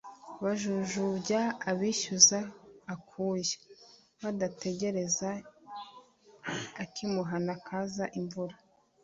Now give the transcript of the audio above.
bajujubya abiyushye akuya, badategereza akimuhana kaza imvura